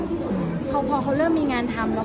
พอเขาเริ่มมีงานทำ